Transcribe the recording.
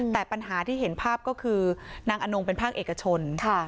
แต่ปัญหาที่เห็นภาพก็คือนางอนงเป็นภาคเอกชน